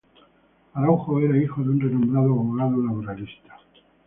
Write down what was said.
Araújo era hijo de un renombrado abogado laboralista.